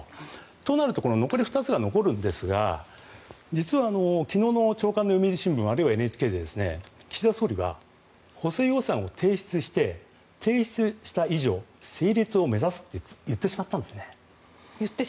そうなると残り２つが残るんですが実は昨日の朝刊の読売新聞あるいはＮＨＫで、岸田総理は補正予算を提出して提出した以上、成立を目指すと言ってしまったんですね。